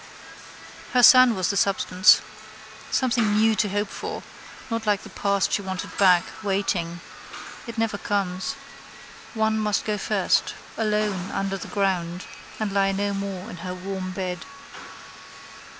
Her son was the substance. Something new to hope for not like the past she wanted back, waiting. It never comes. One must go first: alone, under the ground: and lie no more in her warm bed.